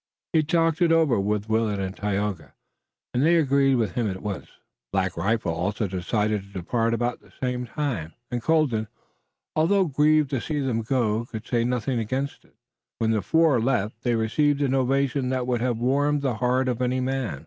He talked it over with Willet and Tayoga, and they agreed with him at once. Black Rifle also decided to depart about the same time, and Colden, although grieved to see them go, could say nothing against it. When the four left they received an ovation that would have warmed the heart of any man.